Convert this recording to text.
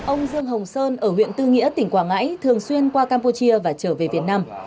ông dương hồng sơn ở huyện tư nghĩa tỉnh quảng ngãi thường xuyên qua campuchia và trở về việt nam